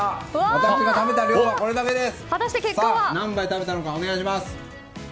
私が食べた量はこれだけです。